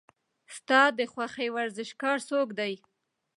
ستا د خوښې ورزشکار څوک دی؟